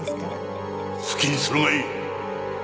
好きにするがいい。